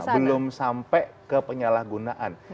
belum sampai ke penyalahgunaan